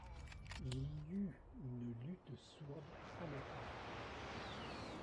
Il y eut une lutte sourde, haletante.